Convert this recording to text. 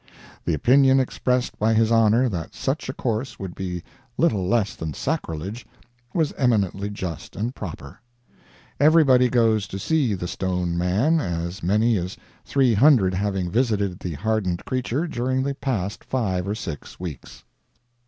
The opinion expressed by his Honor that such a course would be little less than sacrilege, was eminently just and proper. Everybody goes to see the stone man, as many as three hundred having visited the hardened creature during the past five or six weeks.